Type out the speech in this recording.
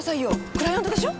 クライアントでしょ？